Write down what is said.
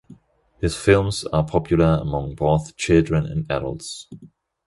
His films are popular among both children and adults.